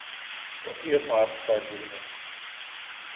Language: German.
Das Ehepaar hat zwei Söhne.